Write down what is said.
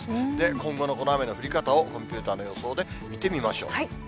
今後のこの雨の降り方をコンピューターの予想で見てみましょう。